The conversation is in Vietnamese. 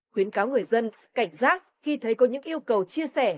khuyến cáo người dân cảnh giác khi thấy có những yêu cầu chia sẻ